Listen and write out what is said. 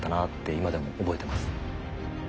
今でも覚えてます。